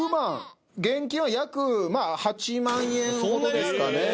現金は約８万円ほどですかね。